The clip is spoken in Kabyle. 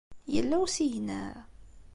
Yella usigna?